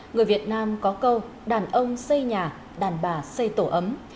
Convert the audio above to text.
người việt nam có câu đàn ông xây nhà đàn bà xây tổ ấm